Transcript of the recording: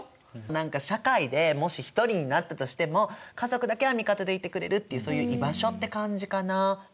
何か社会でもし一人になったとしても家族だけは味方でいてくれるっていうそういう居場所って感じかな。